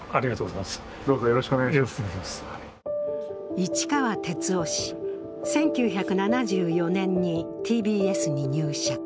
市川哲夫氏、１９７４年にＴＢＳに入社。